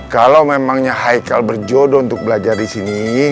kalau memangnya haikal berjodoh untuk belajar di sini